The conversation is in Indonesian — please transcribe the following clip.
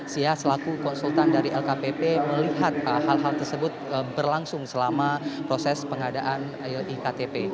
sia selaku konsultan dari lkpp melihat hal hal tersebut berlangsung selama proses pengadaan iktp